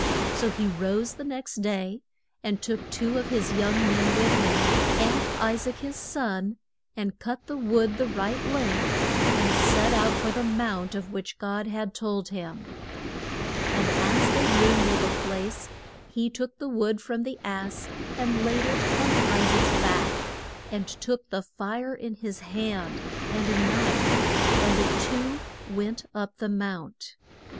So he rose the next day and took two of his young men with him, and I saac his son, and cut the wood the right length, and set out for the mount of which God had told him. [Illustration: HA GAR AND ISH MA EL.] And as they drew near the place he took the wood from the ass and laid it on I saac's back, and took the fire in his hand and a knife, and the two went up the mount.